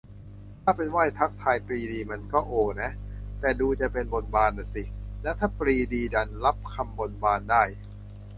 ถ้าเป็นไหว้ทักทายปรีดีมันก็โอนะ แต่ดูจะเป็นบนบานน่ะสิ แล้วถ้าปรีดีดันรับคำบนบานได้